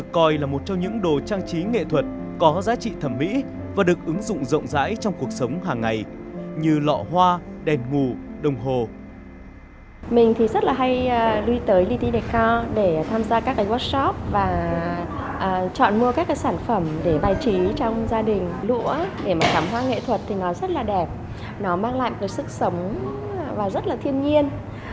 cảm hoa nghệ thuật thì nó rất là đẹp nó mang lại một cái sức sống và rất là thiên nhiên